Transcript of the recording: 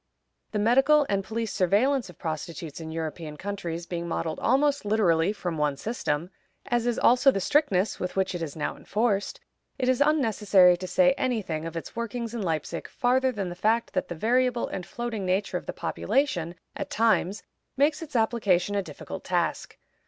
The medical and police surveillance of prostitutes in European countries being modeled almost literally from one system, as is also the strictness with which it is now enforced, it is unnecessary to say any thing of its workings in Leipzig farther than the fact that the variable and floating nature of the population, at times, makes its application a difficult task.